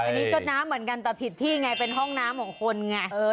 อันนี้จดน้ำเหมือนกันแต่ผิดที่ไงเป็นห้องน้ำของคนไง